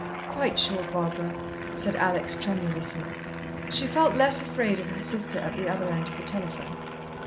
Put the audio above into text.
"Quite sure, Barbara," said Alex tremulously. She felt less afraid of her sister at the other end of the telephone.